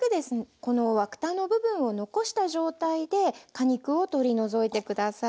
このワタの部分を残した状態で果肉を取り除いて下さい。